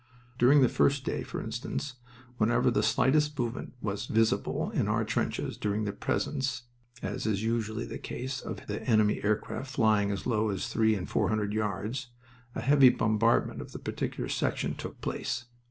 "During the first day, for instance, whenever the slightest movement was visible in our trenches during the presence, as is usually the case, of enemy aircraft flying as low as three and four hundred yards, a heavy bombardment of the particular section took place.